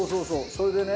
それでね。